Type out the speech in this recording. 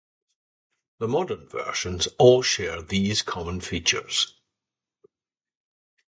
The modern versions all share these common features.